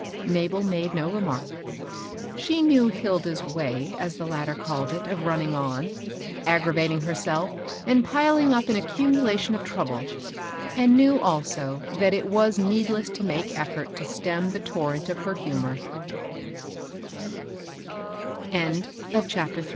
Mabel made no remark. She knew Hilda's wsj^^^ as the latter called it, of running on, ag gravating herself, and piling up an accumulation of trouble; and knew, also, that it was needless to make effort to stem the to